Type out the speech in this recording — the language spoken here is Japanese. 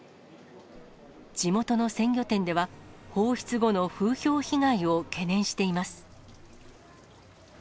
地元の鮮魚店では、放出後の風評被害を懸念しています。